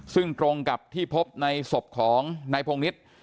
ซึ่งตรงกับที่พบในศพของนายพงนิษฐ์